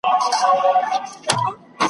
چي هر څه تلاښ کوې نه به ټولیږي `